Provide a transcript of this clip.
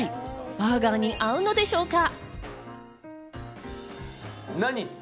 バーガーに合うのでしょうか？